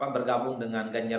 bergabung dengan ganjar